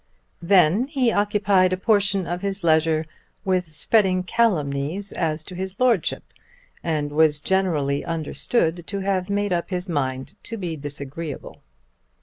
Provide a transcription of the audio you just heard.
Then he occupied a portion of his leisure with spreading calumnies as to his Lordship, and was generally understood to have made up his mind to be disagreeable.